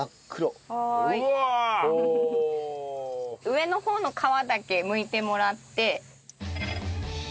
上の方の皮だけむいてもらって。